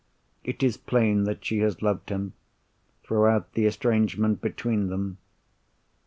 It is plain that she has loved him, throughout the estrangement between them.